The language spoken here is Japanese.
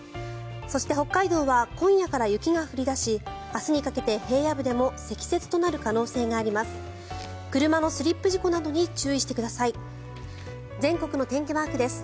そして、北海道は今夜から雪が降り出し明日にかけて平野部でも積雪となる可能性があります。